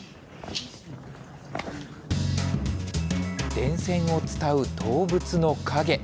電線を伝う動物の影。